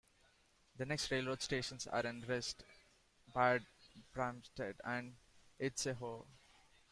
The next Railroad stations are in Wrist, Bad Bramstedt and Itzehoe.